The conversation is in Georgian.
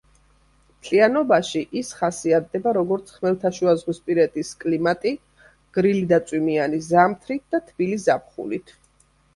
მთლიანობაში, ის ხასიათდება, როგორც ხმელთაშუაზღვისპირეთის კლიმატი გრილი და წვიმიანი ზამთრით და თბილი ზაფხულით.